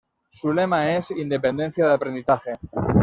Su lema es "Independencia de aprendizaje".